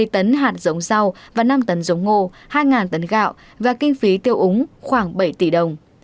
hai mươi tấn hạt giống rau và năm tấn giống ngô hai tấn gạo và kinh phí tiêu úng khoảng bảy tỷ đồng